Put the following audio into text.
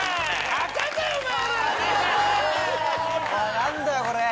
何だよこれ！